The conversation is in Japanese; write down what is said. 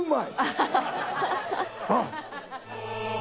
あっ！